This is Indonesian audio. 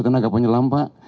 tenaga penyelam pak